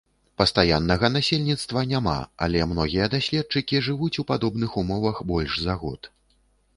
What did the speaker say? Пастаяннага насельніцтва няма, але многія даследчыкі жывуць у падобных умовах больш за год.